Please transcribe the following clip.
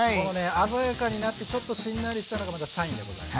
鮮やかになってちょっとしんなりしたのがまたサインでございます。